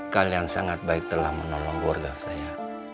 kalian sangat baik telah menolong keluarga saya